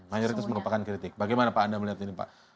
mayoritas merupakan kritik bagaimana pak anda melihat ini pak